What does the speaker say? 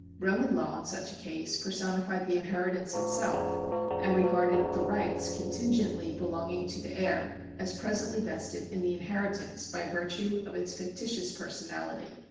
Roman law in such a case personified the inheritance itself, and regarded the rights contingently belonging to the heir as presently vested in the inheritance by virtue of its fictitious personality.